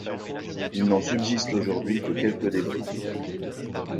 Il n'en subsiste aujourd'hui que quelques débris.